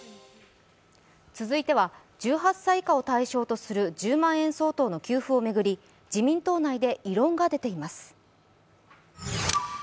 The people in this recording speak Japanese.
続いては１８歳以下を対象とする１０万円相当の給付を巡り、自民党内で異論が出ています。